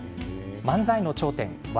漫才の頂点、笑